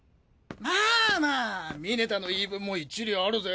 まァまァ峰田の言い分も一理あるぜ。